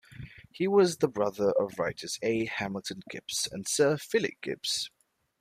He was the brother of writers A. Hamilton Gibbs and Sir Philip Gibbs.